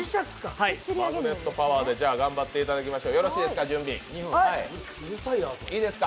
マグネットパワーで頑張っていただきましょう。